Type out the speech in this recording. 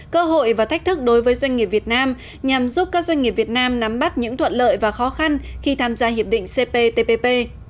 cơ hội và thách thức đối với doanh nghiệp việt nam nhằm giúp các doanh nghiệp việt nam nắm bắt những thuận lợi và khó khăn khi tham gia hiệp định cptpp